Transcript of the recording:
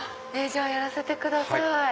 じゃやらせてください。